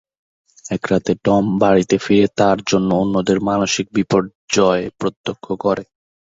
এক রাতে টম বাড়িতে ফিরে তার জন্য অন্যদের মানসিক বিপর্যয় প্রত্যক্ষ করে।